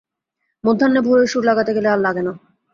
মধ্যাহ্নে ভোরের সুর লাগাতে গেলে আর লাগে না।